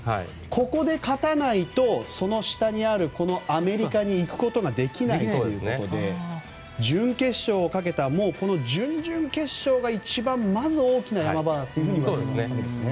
ここで勝たないとその下にある、アメリカに行くことができないということで準決勝をかけた準々決勝がまず大きな山場だということですね。